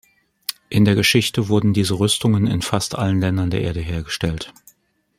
In der Geschichte wurden diese Rüstungen in fast allen Ländern der Erde hergestellt.